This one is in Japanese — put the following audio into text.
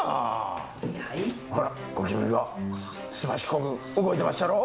ほらゴキブリがすばしっこく動いてまっしゃろ？